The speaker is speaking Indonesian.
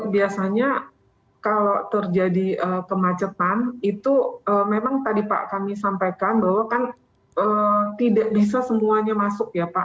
biasanya kalau terjadi kemacetan itu memang tadi pak kami sampaikan bahwa kan tidak bisa semuanya masuk ya pak